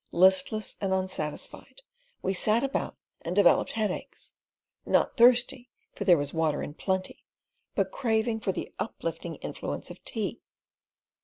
Listless and unsatisfied, we sat about and developed headaches, not thirsty—for there was water in plenty but craving for the uplifting influence of tea.